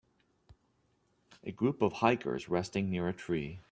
A Group of hikers resting near a tree.